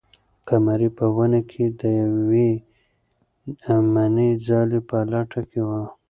قمري په ونې کې د یوې امنې ځالۍ په لټه کې وه.